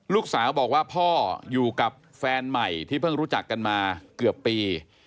ลูกสาวบอกว่าพ่ออยู่กับแฟนใหม่ที่เพิ่งรู้จักกันมาเกือบปี